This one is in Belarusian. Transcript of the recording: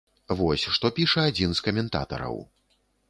Вось што піша адзін з каментатараў.